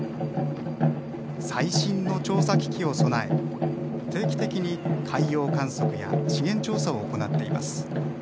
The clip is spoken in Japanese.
最新の調査機器を備え定期的に海洋観測や資源調査を行っています。